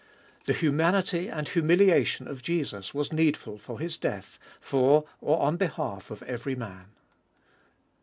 The humanity and humiliation of Jesus was needful for His death for or on behalf of every man.